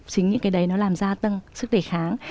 chính những cái đấy nó làm gia tăng sức đề kháng